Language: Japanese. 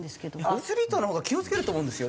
アスリートのほうが気を付けると思うんですよ